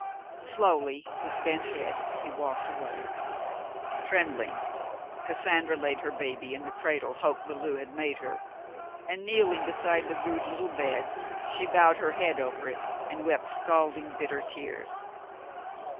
Slowly, with bent head, he walked away. Trembling, Cassandra laid her baby in the cradle Hoke Belew had made her, and, kneeling beside the rude little bed, she bowed her head over it and wept scalding, bitter tears.